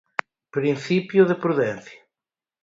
Principio de prudencia.